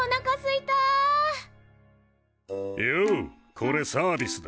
これサービスだ。